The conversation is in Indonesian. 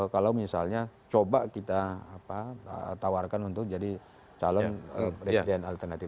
kalau misalnya coba kita tawarkan untuk jadi calon presiden alternatif